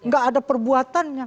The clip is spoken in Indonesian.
gak ada perbuatannya